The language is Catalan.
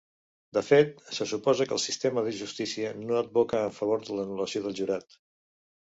De fet, se suposa que el sistema de justícia no advoca en favor de l'anul·lació del jurat.